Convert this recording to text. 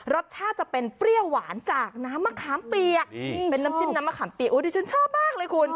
รสชาติจะเป็นเปรี้ยวหวานจากน้ำมะขามเปียกเป็นน้ำจิ้มน้ำมะขามเปียกดิฉันชอบมากเลยคุณ